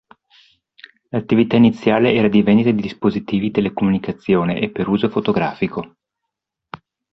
L'attività iniziale era di vendita di dispositivi di telecomunicazione e per uso fotografico.